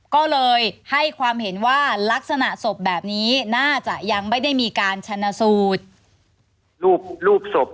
ก็เลยให้ความเห็นว่าลักษณะศพแบบนี้น่าจะยังไม่ได้มีการชนะสูตรรูปศพ